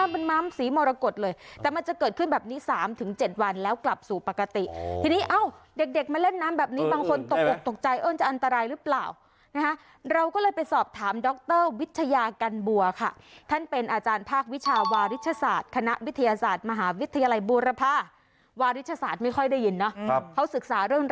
มันม้ามสีมรกฏเลยแต่มันจะเกิดขึ้นแบบนี้๓๗วันแล้วกลับสู่ปกติทีนี้เอ้าเด็กมาเล่นน้ำแบบนี้บางคนตกอกตกใจเอิ้นจะอันตรายหรือเปล่านะคะเราก็เลยไปสอบถามดรวิทยากันบัวค่ะท่านเป็นอาจารย์ภาควิชาวาริชศาสตร์คณะวิทยาศาสตร์มหาวิทยาลัยบูรภาวาริชศาสตร์ไม่ค่อยได้ยินเนาะเขาศึกษาเรื่อง